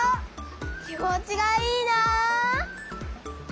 気持ちがいいな！